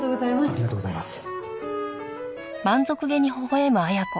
ありがとうございます。